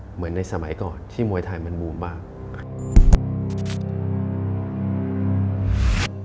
เหมือนในสมัยก่อนที่มวยไทยมันบูมมาก